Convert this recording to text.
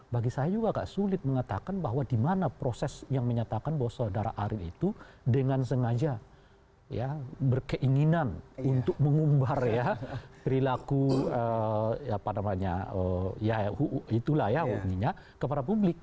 bagi saya juga agak sulit mengatakan bahwa di mana proses yang menyatakan bahwa saudara arief itu dengan sengaja ya berkeinginan untuk mengumbar ya perilaku ya itulah ya kepada publik